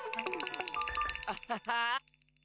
アハハ！